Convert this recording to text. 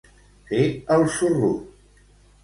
Fer el sorrut.